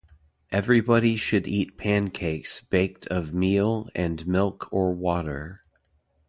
Everybody should eat pancakes baked of meal and milk or water.